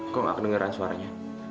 kok gak kedengeran suaranya